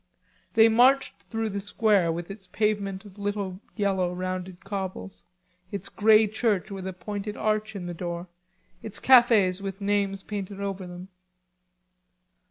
They marched through the square with its pavement of little yellow rounded cobbles, its grey church with a pointed arch in the door, its cafes with names painted over them.